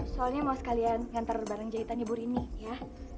soalnya mau sekalian ngantar barang jahitan ibu rini ya